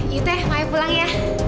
yuk teh maya pulang ya